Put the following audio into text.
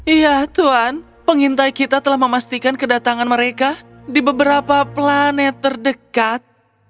iya tuhan pengintai kita telah memastikan kedatangan mereka di beberapa planet terdekat